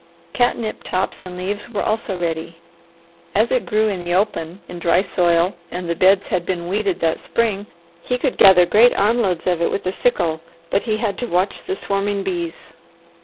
Catnip tops and leaves were also ready. As it grew in the open in dry soil and the beds had been weeded that spring, he could gather great arm loads of it with a sickle, but he had to watch the swarming bees.